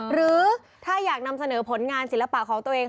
หรือถ้าอยากนำเสนอผลงานศิลปะของตัวเอง